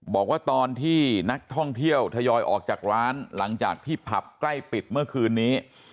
บอกว่าตอนที่นักท่องเที่ยวทยอยออกจากร้านหลังจากที่ผับใกล้ปิดเมื่อคืนนี้